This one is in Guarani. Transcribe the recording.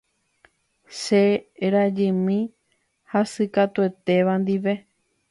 Che rajymi hasykatuetéva ndive.